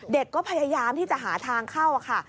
ก็พยายามที่จะหาทางเข้าค่ะ